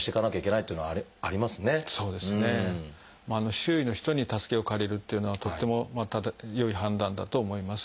周囲の人に助けを借りるっていうのはとっても良い判断だと思います。